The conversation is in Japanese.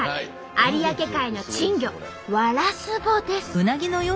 有明海の珍魚ワラスボです。